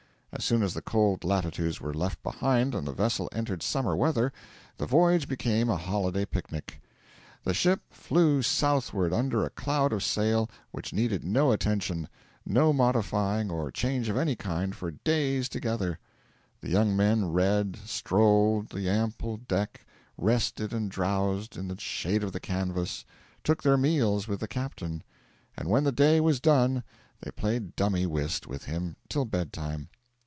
As soon as the cold latitudes were left behind and the vessel entered summer weather, the voyage became a holiday picnic. The ship flew southward under a cloud of sail which needed no attention, no modifying or change of any kind, for days together. The young men read, strolled the ample deck, rested and drowsed in the shade of the canvas, took their meals with the captain; and when the day was done they played dummy whist with him till bed time.